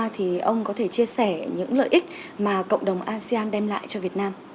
thì ông có thể chia sẻ những lợi ích mà cộng đồng asean đem lại cho việt nam